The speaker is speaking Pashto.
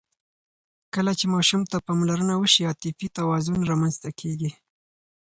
کله چې ماشوم ته پاملرنه وشي، عاطفي توازن رامنځته کېږي.